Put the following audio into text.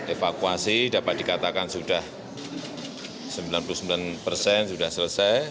evakuasi dapat dikatakan sudah sembilan puluh sembilan persen sudah selesai